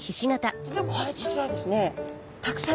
これ実はですね